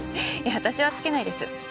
私はつけないです。